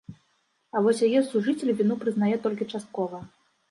А вось яе сужыцель віну прызнае толькі часткова.